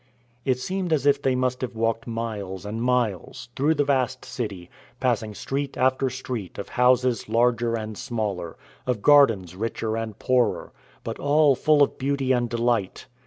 It seemed as if they must have walked miles and miles, through the vast city, passing street after street of houses larger and smaller, of gardens richer and poorer, but all full of beauty and delight.